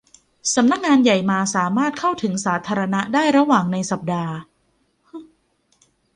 สำนักงานใหญ่มาสามารถเข้าถึงสาธารณะได้ระหว่างในสัปดาห์